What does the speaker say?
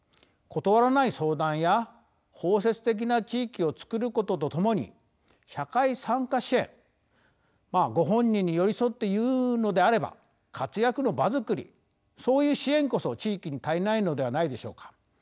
断らない相談や包摂的な地域をつくることとともに社会参加支援ご本人に寄り添って言うのであれば活躍の場づくりそういう支援こそ地域に足りないのではないでしょうか。